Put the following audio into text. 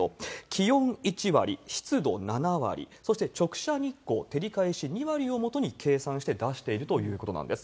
気温１割、湿度７割、そして直射日光、照り返し２割をもとに計算して出しているということなんです。